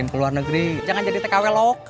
makanya mama teman